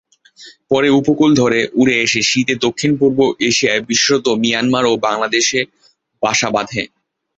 পরে উপকূল ধরে উড়ে এসে শীতে দক্ষিণ-পূর্ব এশিয়ায় বিশেষত মিয়ানমার ও বাংলাদেশ বাসা বাঁধে।